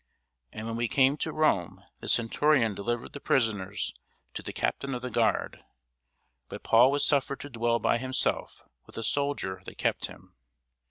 And when we came to Rome, the centurion delivered the prisoners to the captain of the guard: but Paul was suffered to dwell by himself with a soldier that kept him.